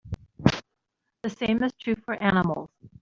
The same is true for animals.